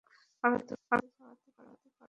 আরো দ্রুত চালাতে পারবে না?